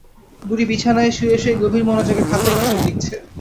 বুড়ি বিছানায় শুয়ে শুয়ে গভীর মনযোগে খাতায় কীসব লিখছে।